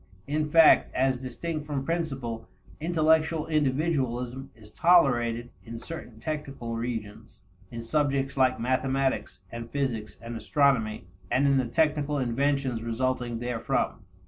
In fact, as distinct from principle, intellectual individualism is tolerated in certain technical regions in subjects like mathematics and physics and astronomy, and in the technical inventions resulting therefrom.